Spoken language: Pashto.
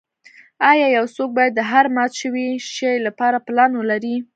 ایا یو څوک باید د هر مات شوي شی لپاره پلان ولري